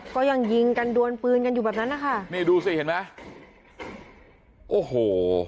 ก็ยังยิงกันดวนปืนกันอยู่แบบนั้นนะคะนี่ดูสิเห็นไหมโอ้โห